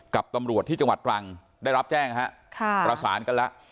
กับตำรวจที่จังหวัดตรังได้รับแจ้งฮะประสานกันแล้ว